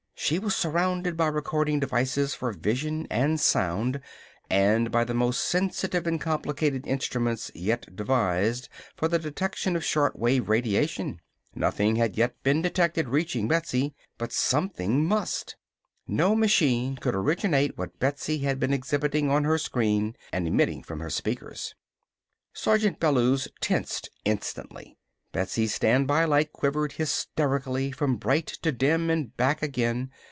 She was surrounded by recording devices for vision and sound, and by the most sensitive and complicated instruments yet devised for the detection of short wave radiation. Nothing had yet been detected reaching Betsy, but something must. No machine could originate what Betsy had been exhibiting on her screen and emitting from her speakers. Sergeant Bellews tensed instantly. Betsy's standby light quivered hysterically from bright to dim and back again.